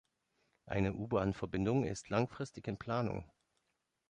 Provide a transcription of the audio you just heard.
Eine U-Bahnverbindung ist langfristig in Planung.